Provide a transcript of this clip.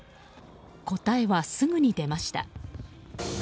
答えはすぐに出ました。